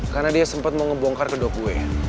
karena dia sempet mau ngebongkar kedok gue